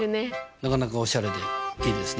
なかなかおしゃれでいいですね。